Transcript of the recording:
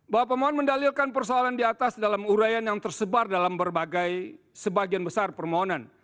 bahwa pemohon mendalilkan persoalan di atas dalam urayan yang tersebar dalam berbagai sebagian besar permohonan